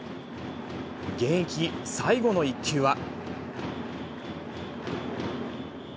現役最後の１球は。